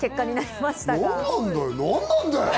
何なんだよ！